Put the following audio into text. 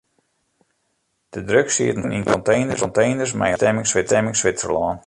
De drugs sieten ferburgen yn konteners mei as einbestimming Switserlân.